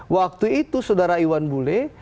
waktu itu saudara iwan bule